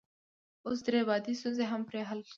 اوس درې بعدي ستونزې هم پرې حل کیږي.